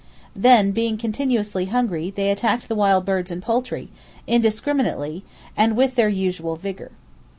Then, being continuously hungry, they attacked the wild birds and poultry, indiscriminately, and with their usual vigor.